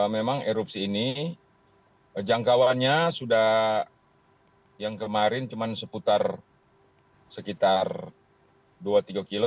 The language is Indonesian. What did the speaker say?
memang erupsi ini jangkauannya sudah yang kemarin cuma sekitar dua tiga kilo